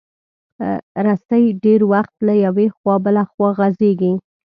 رسۍ ډېر وخت له یوې خوا بله خوا غځېږي.